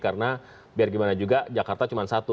karena biar gimana juga jakarta cuma satu